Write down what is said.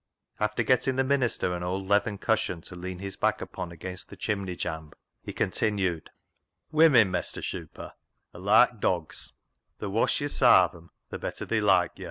After getting the minister an old leathern cushion to lean his back upon against the chimney jamb, he continued —" Women, Mestur ' Shuper,' are loike dogs ; the woss yo' sarve 'em the better they loike yo.'